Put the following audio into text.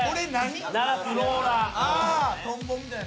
トンボみたいな。